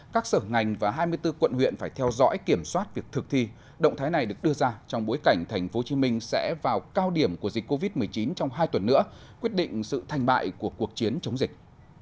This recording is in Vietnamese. các sở ngành và hai mươi bốn quận huyện phải theo dõi kiểm soát việc thực thi động thái này được đưa ra trong bối cảnh tp hcm sẽ vào cao điểm của dịch covid một mươi chín trong hai tuần nữa quyết định sự thành bại của cuộc chiến chống dịch